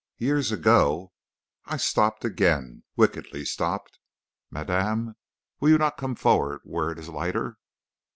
"Years ago " I stopped again, wickedly stopped. "Madame, will you not come forward where it is lighter?"